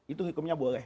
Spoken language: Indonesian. itu hikmahnya boleh